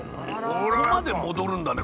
ここまで戻るんだね